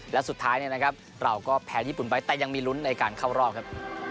และสุดท้ายเนี่ยนะครับเราก็แพ้ญี่ปุ่นไปแต่ยังมีลุ้นในการเข้ารอบครับ